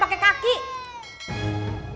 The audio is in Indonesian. pakai tangan pakai kaki